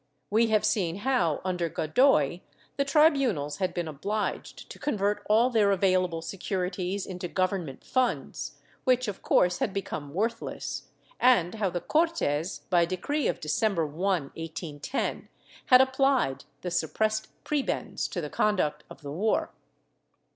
We have seen how, under Godoy, the tribunals had been obliged to convert all their available securities into Government funds, which of course had become worthless, and how the Cortes, by decree of December 1, 1810, had applied the suppressed prebends to the conduct of the war.